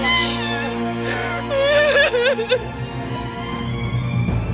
dara dara tunggu